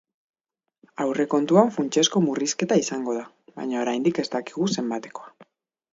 Aurrekontuan funtsezko murrizketa izango da, baina oraindik ez dakigu zenbatekoa.